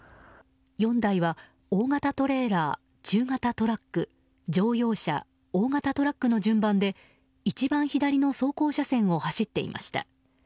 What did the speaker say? ４台は大型トレーラー、中型トラック乗用車、大型トラックの順番で一番左の走行車線を走っていました。